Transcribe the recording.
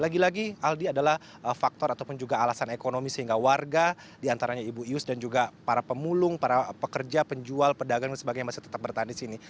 lagi lagi aldi adalah faktor ataupun juga alasan ekonomi sehingga warga diantaranya ibu ius dan juga para pemulung para pekerja penjual pedagang dan sebagainya masih tetap bertahan di sini